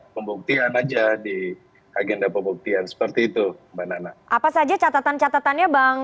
pembuktian aja di agenda pembuktian seperti itu mbak nana apa saja catatan catatannya bang